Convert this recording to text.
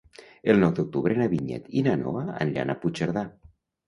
El nou d'octubre na Vinyet i na Noa aniran a Puigcerdà.